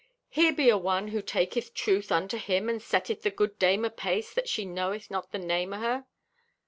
Here be a one who taketh Truth unto him and setteth the good dame apace that she knoweth not the name o' her.